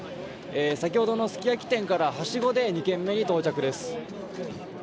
先ほどのすき焼き店からはしごで２軒目に到着です。